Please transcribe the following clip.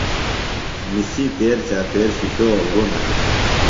نِسی تیر چاپھیر شِشووہ غُرونہ ہنہ۔